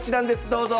どうぞ。